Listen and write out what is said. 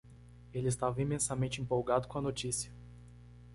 Ele estava imensamente empolgado com a notícia.